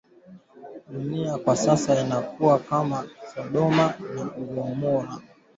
Dunia kwa sasa inakuwa kama sodoma na gomora